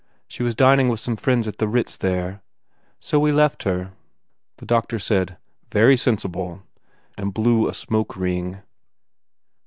She was dining with some friends at the Ritz, there, so we left her." The doctor said, "Very sensible," and blew a smoke ring.